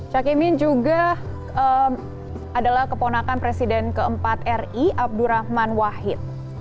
cak imin juga adalah keponakan presiden keempat ri abdurrahman wahid